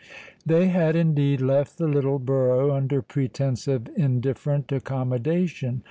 They had, indeed, left the little borough under pretence of indifferent accommodation.